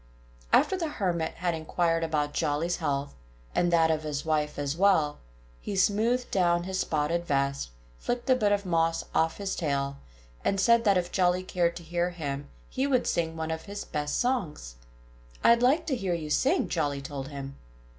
After the Hermit had inquired about Jolly's health, and that of his wife as well, he smoothed down his spotted vest, flicked a bit of moss off his tail, and said that if Jolly cared to hear him he would sing one of his best songs. "I'd like to hear you sing!" Jolly told him.